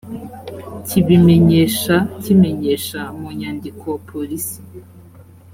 kibimenyesha kimenyesha mu nyandiko polisi